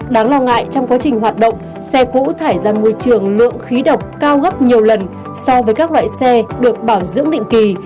đáng lo ngại trong quá trình hoạt động xe cũ thải ra môi trường lượng khí độc cao gấp nhiều lần so với các loại xe được bảo dưỡng định kỳ